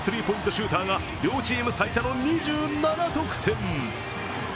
シューターが両チーム最多の２７得点。